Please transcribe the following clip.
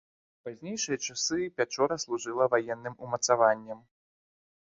У пазнейшыя часы пячора служыла ваенным умацаваннем.